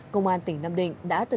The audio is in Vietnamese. công an tỉnh nam đình đã thuyết định